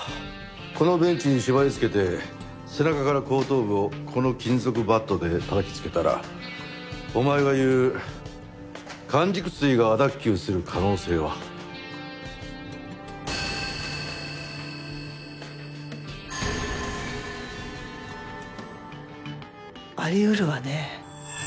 このベンチに縛りつけて背中から後頭部をこの金属バットで叩きつけたらお前が言う環軸椎が亜脱臼する可能性は？あり得るわね。